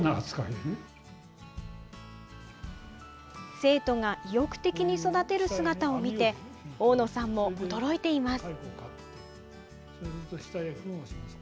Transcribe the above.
生徒が意欲的に育てる姿を見て大野さんも驚いています。